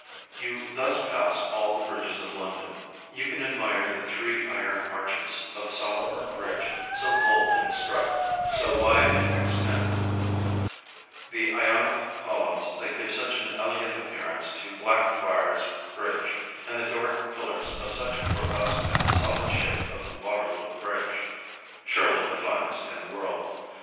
You thus pass all the bridges of London. You can admire the three iron arches of Southwark Bridge, so bold in strut, so wide in extent ; the Ionic columns that give such an elegant appearance to Blackfriars Bridge ; and the Doric pillars of such robust and solid shape of Waterloo Bridge, — surely the finest in the world.